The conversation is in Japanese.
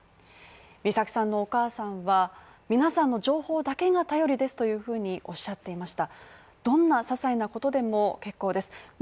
美咲さんのお母さんは皆さんの情報だけが頼りですというふうにおっしゃっていました。